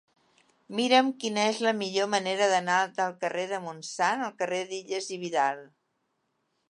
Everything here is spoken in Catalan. Mira'm quina és la millor manera d'anar del carrer del Montsant al carrer d'Illas i Vidal.